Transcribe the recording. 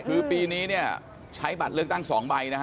คือปีนี้เนี่ยใช้บัตรเลือกตั้ง๒ใบนะฮะ